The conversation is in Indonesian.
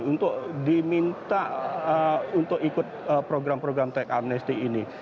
untuk diminta untuk ikut program program teks amnesty ini